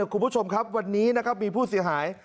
คุณผู้ชมครับวันนี้นะครับมีผู้เสียหาย